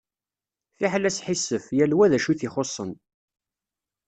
Fiḥel asḥisef, yal wa d acu i t-ixuṣen.